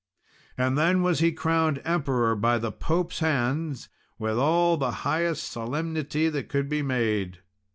And then was he crowned Emperor by the Pope's hands, with all the highest solemnity that could be made.